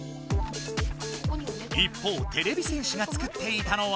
一方てれび戦士が作っていたのは。